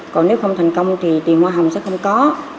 còn nếu không thành công thì tiền hoa hồng sẽ không có